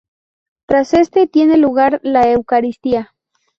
Tras este, tiene lugar la eucaristía.